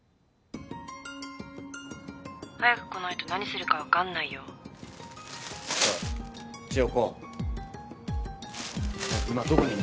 早く来ないと何するか分かんないよ。おい。